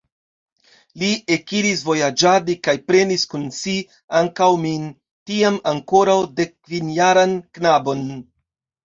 Li ekiris vojaĝadi kaj prenis kun si ankaŭ min, tiam ankoraŭ dekkvinjaran knabon.